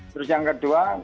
terus yang kedua